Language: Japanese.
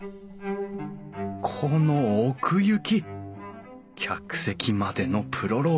この奥行き客席までのプロローグ。